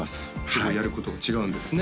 結構やることが違うんですね